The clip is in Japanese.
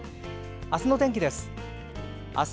あすの天気です。